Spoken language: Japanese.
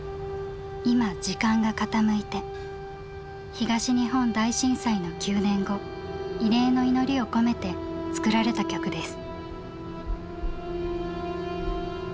東日本大震災の９年後慰霊の祈りを込めて作られた曲です。